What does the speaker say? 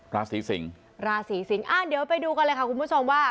ราศีสิงศ์ราศีสิงศ์เดี๋ยวไปดูกันเลยค่ะคุณผู้ชมว่า